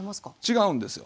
違うんですよ。